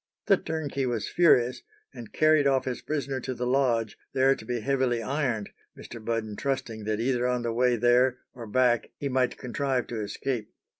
The turnkey was furious, and carried off his prisoner to the lodge, there to be heavily ironed, Mr. Budden trusting that either on the way there or back he might contrive to escape.